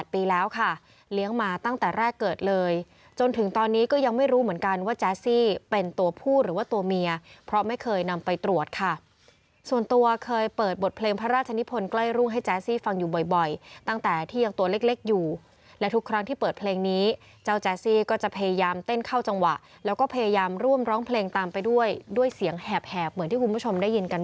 เป็นตัวผู้หรือว่าตัวเมียเพราะไม่เคยนำไปตรวจค่ะส่วนตัวเคยเปิดบทเพลงพระราชนิพลใกล้รุ่งให้แจ๊สซี่ฟังอยู่บ่อยตั้งแต่ที่ยังตัวเล็กอยู่และทุกครั้งที่เปิดเพลงนี้เจ้าแจ๊สซี่ก็จะพยายามเต้นเข้าจังหวะแล้วก็พยายามร่วม